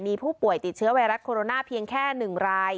มีผู้ป่วยติดเชื้อไวรัสโคโรนาเพียงแค่๑ราย